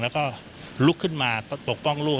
แล้วก็ลุกขึ้นมาปกป้องลูก